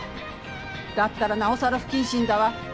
だったらなおさら不謹慎だわ。